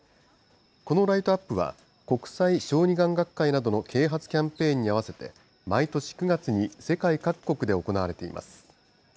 このライトアップは、国際小児がん学会などの啓発キャンペーンに合わせて、毎年９月に世界各国で行われています。